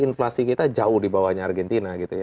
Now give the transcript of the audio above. inflasi kita jauh dibawahnya argentina